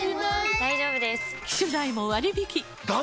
大丈夫です！